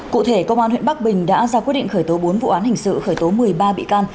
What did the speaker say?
cụ thể công an huyện bắc bình đã ra quyết định khởi tố bốn vụ án hình sự khởi tố một mươi ba bị can